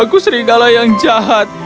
aku serigala yang jahat